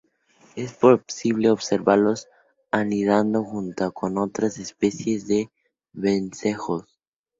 Es posible observarlos anidando junto con otras especies de vencejos.